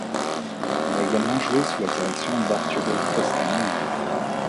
Il a également joué sous la direction d'Arturo Toscanini.